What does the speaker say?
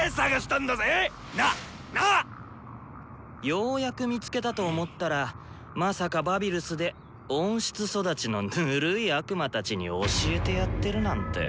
ようやく見つけたと思ったらまさかバビルスで温室育ちのぬるい悪魔たちに教えてやってるなんて。